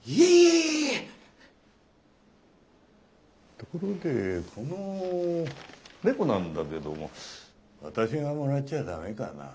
ところでこの猫なんだけども私がもらっちゃダメかな。